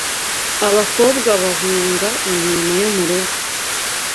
Abakobwa bahunga imirimo yo mu rugo